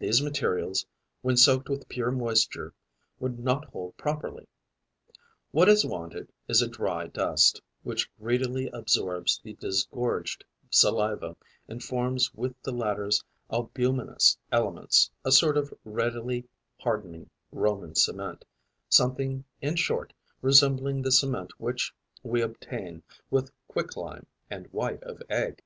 These materials, when soaked with pure moisture, would not hold properly. What is wanted is a dry dust, which greedily absorbs the disgorged saliva and forms with the latter's albuminous elements a sort of readily hardening Roman cement, something in short resembling the cement which we obtain with quicklime and white of egg.